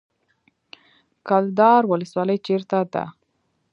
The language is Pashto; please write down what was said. کلدار ولسوالۍ چیرته ده؟